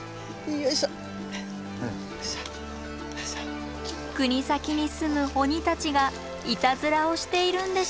国東に棲む鬼たちがいたずらをしているんでしょうか？